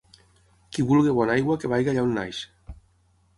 Qui vulgui bona aigua que vagi allà on neix.